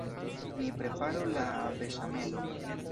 Ni preparu la beŝamelon.